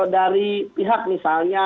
dari pihak misalnya